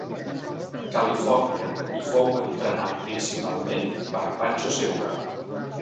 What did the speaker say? Califòrnia i fou entrenat principalment per Pancho Segura.